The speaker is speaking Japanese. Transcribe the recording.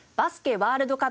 ワールドカップ